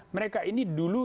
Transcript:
mereka ini dulu